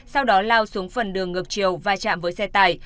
sau đó lao xuống phần đường ngược chiều và chạm với xe tải